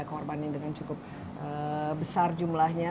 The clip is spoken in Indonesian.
korbannya dengan cukup besar jumlahnya